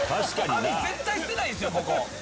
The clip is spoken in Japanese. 網絶対捨てないんですよ。